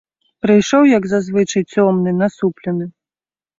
Прыйшоў, як зазвычай, цёмны, насуплены.